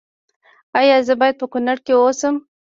ایا زه باید په کنړ کې اوسم؟